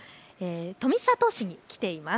富里市に来ています。